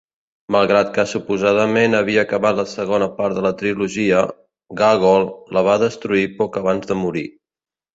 Malgrat que suposadament havia acabat la segona part de la trilogia, Gogol la va destruir poc abans de morir.